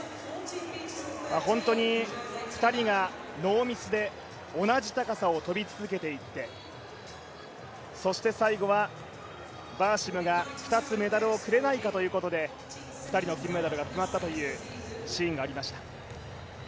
本当に２人がノーミスで同じ高さを跳び続けていってそして最後はバーシムが２つメダルをくれないかということで、２人の金メダルが決まったというシーンがありました。